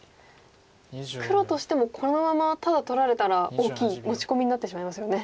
黒としてもこのままただ取られたら大きい持ち込みになってしまいますよね。